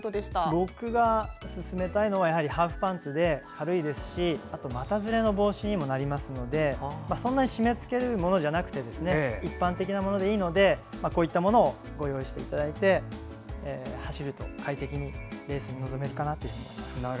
僕が勧めたいのはハーフパンツで、軽いですし股ずれの防止にもなりますしそんなに締めつけるものじゃなくて一般的なものでいいのでこういったものをご用意していただいて走ると快適にレースに臨めるかなと思います。